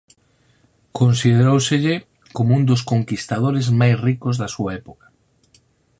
Consideróuselle como un dos conquistadores máis ricos da súa época.